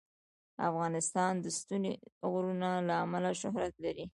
افغانستان د ستوني غرونه له امله شهرت لري.